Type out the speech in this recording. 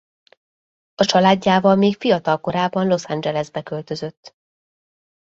A családjával még fiatalkorában Los Angelesbe költözött.